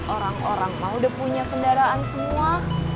orang orang mau udah punya kendaraan semua